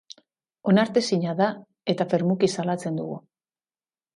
Onartezina da eta fermuki salatzen dugu!